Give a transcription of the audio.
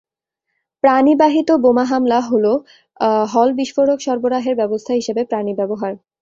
প্রাণী-বাহিত বোমা হামলা হ'ল বিস্ফোরক সরবরাহের ব্যবস্থা হিসাবে প্রাণী ব্যবহার।